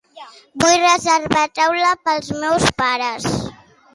Vull reservar taula per als meus pares.